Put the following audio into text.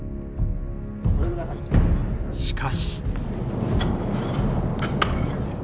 しかし。